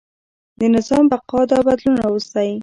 د نظام بقا دا بدلون راوستی.